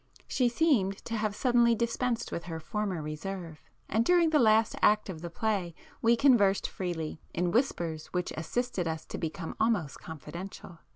She seemed to have suddenly dispensed with her former reserve, and during the last act of the play, we conversed freely, in whispers which assisted us to become almost confidential.